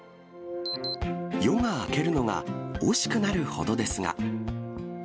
夜が明けるのが惜しくなるほどですが。